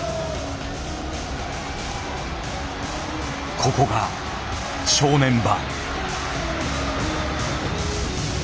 ここが正念場。